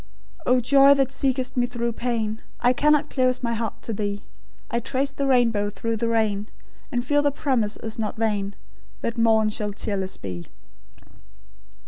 "O Joy, that seekest me through pain, I cannot close my heart to Thee; I trace the rainbow through the rain, And feel the promise is not vain That morn shall tearless be."